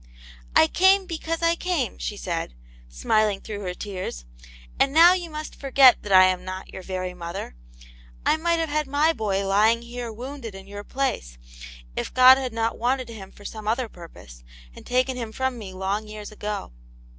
"I came because I came," she said^ smiling through her tears. "And now you must forget that I am not your very mother; I might have had my boy lying here wounded in your place, if God had not wanted him for some other purpose, and taken him from me long years ago."